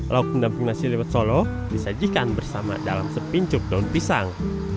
lauk pendamping nasi liwet solo disajikan bersama dalam sepincuk daun pisang